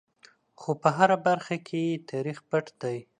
خو په هره برخه کې یې تاریخ پټ دی.